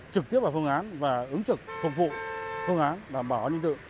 trực tiếp vào phương án và ứng trực phục vụ phương án đảm bảo an ninh tự